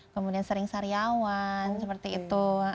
kemudian sering sariawan seperti itu